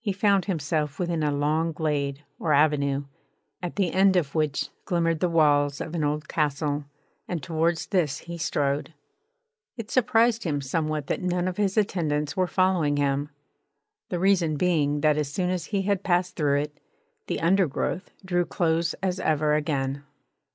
He found himself within a long glade or avenue, at the end of which glimmered the walls of an old castle; and towards this he strode. It surprised him somewhat that none of his attendants were following him; the reason being that as soon as he had passed through it, the undergrowth drew close as ever again.